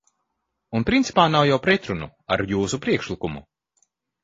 Un principā nav jau pretrunu ar jūsu priekšlikumu.